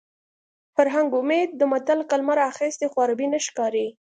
فرهنګ عمید د متل کلمه راخیستې خو عربي نه ښکاري